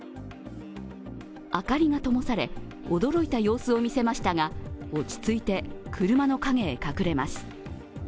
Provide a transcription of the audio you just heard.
明かりがともされ驚いた様子を見せましたが落ち着いて、車の陰へ隠れます。